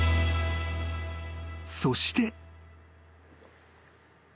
［そして］